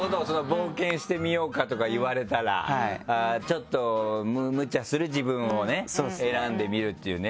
「冒険してみようか」とか言われたらちょっとむちゃする自分をね選んでみるっていうね。